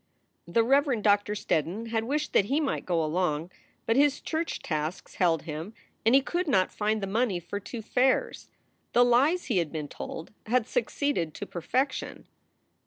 The Reverend Doctor Steddon had wished that he might go along, but his church tasks held him and he could not find the money for two fares. The lies he had been told had succeeded to perfection.